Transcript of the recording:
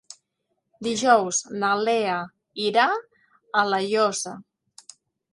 Dijous na Lea irà a La Llosa.